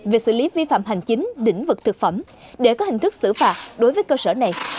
về xử lý vi phạm hành chính lĩnh vực thực phẩm để có hình thức xử phạt đối với cơ sở này